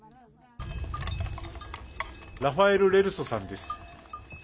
ラファエル・レルソさんです。